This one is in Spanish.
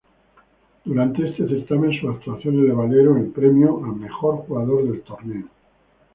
Durante este certamen sus actuaciones le valieron el premio a Mejor Jugador del Torneo.